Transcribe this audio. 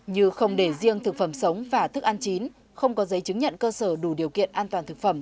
như không để riêng thực phẩm sống và thức ăn chín không có giấy chứng nhận cơ sở đủ điều kiện an toàn thực phẩm